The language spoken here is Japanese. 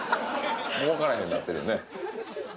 もう分からへんようなってるよね。